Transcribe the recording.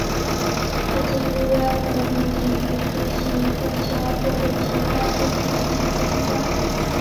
他坚固的外壳能抵御突袭步枪或者其他轻机枪的子弹。